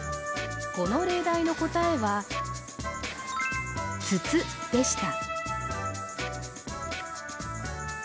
この例題の答えは、つつでした。